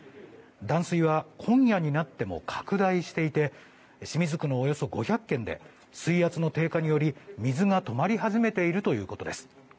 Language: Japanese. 断水は今夜になっても拡大していて清水区のおよそ５００軒で水圧の低下により水が止まり始めているということです。